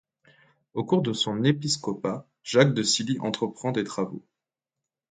Au cours de son épiscopat, Jacques de Silly entreprend des travaux.